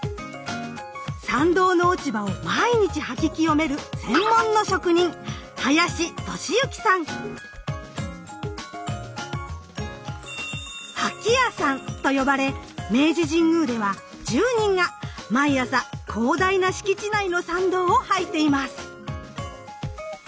参道の落ち葉を毎日掃き清める専門の職人「掃き屋さん」と呼ばれ明治神宮では１０人が毎朝広大な敷地内の参道を掃いています。